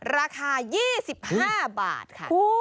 ราคา๒๕บาทค่ะ